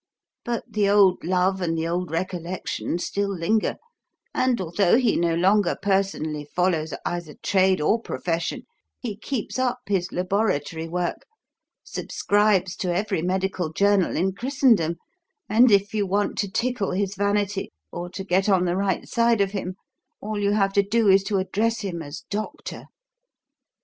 But the old love and the old recollection still linger, and, although he no longer personally follows either trade or profession, he keeps up his laboratory work, subscribes to every medical journal in Christendom, and if you want to tickle his vanity or to get on the right side of him all you have to do is to address him as 'doctor.'